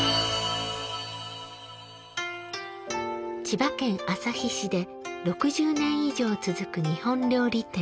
千葉県旭市で６０年以上続く日本料理店。